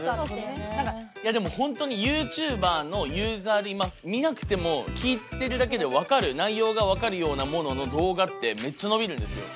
いやでも本当にＹｏｕＴｕｂｅｒのユーザーで今見なくても聞いてるだけで内容が分かるようなものの動画ってめっちゃ伸びるんですよ。